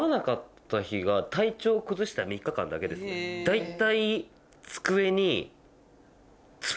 大体。